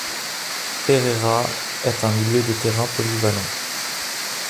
Pereyra est un milieu de terrain polyvalent.